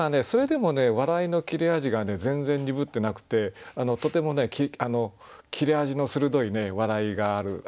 それでもね笑いの切れ味が全然鈍ってなくてとてもね切れ味の鋭い笑いがある